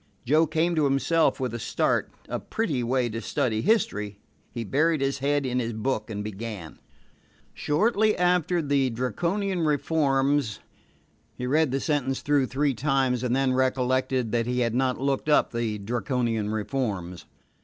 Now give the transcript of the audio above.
Joe came to himself with a start. A pretty way of studying history! He buried his head in his book and began: Shortly after the Draconian reforms He read the sentence through three times, and then recollected that he had not looked up the Draconian reforms.